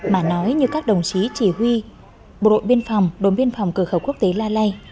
mà nói như các đồng chí chỉ huy bộ đội biên phòng đồn biên phòng cửa khẩu quốc tế la lai